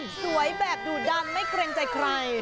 สวยแบบดุดันไม่เกรงใจใคร